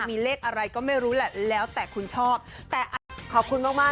นี่จะบอกแกพูดแบบว่ามันบับหมดแล้ว